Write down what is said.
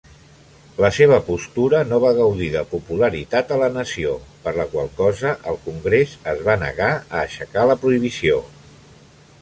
La seva postura no va gaudir de popularitat a la nació, per la qual cosa el congrés es va negar a aixecar la prohibició.